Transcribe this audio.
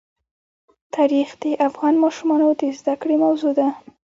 تاریخ د افغان ماشومانو د زده کړې موضوع ده.